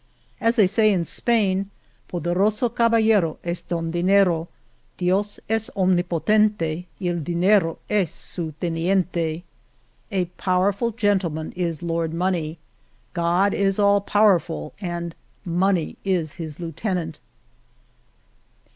As they say in Spain : Poderoso cabal lero Es Don Dznero. Dios es omnipotente Y el diner es su t entente. " A powerful gentleman is Lord Money. God is all pow erful and Money is his lieutenant."